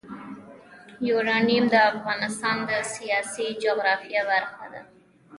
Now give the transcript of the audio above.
یورانیم د افغانستان د سیاسي جغرافیه برخه ده.